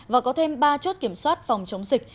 và có thêm ba chốt kiểm soát phòng chống dịch